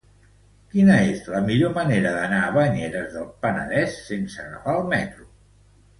Quina és la millor manera d'anar a Banyeres del Penedès sense agafar el metro?